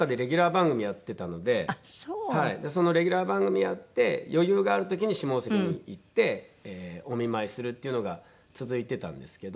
そのレギュラー番組やって余裕がある時に下関に行ってお見舞いするっていうのが続いていたんですけど。